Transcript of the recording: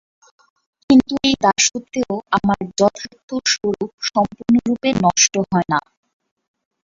কিন্তু এই দাসত্বেও আমার যথার্থ স্বরূপ সম্পূর্ণরূপে নষ্ট হয় না।